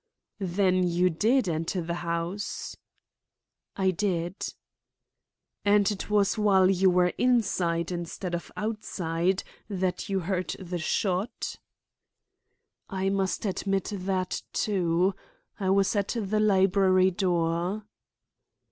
"Then you did enter the house?" "I did." "And it was while you were inside, instead of outside, that you heard the shot?" "I must admit that, too. I was at the library door."